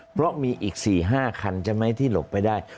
เพราะมีอีก๔๕คันใช่ไหมที่หลบไปได้